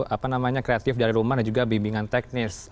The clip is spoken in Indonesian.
apa namanya kreatif dari rumah dan juga bimbingan teknis